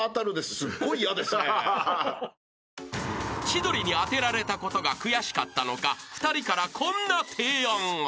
［千鳥に当てられたことが悔しかったのか２人からこんな提案が］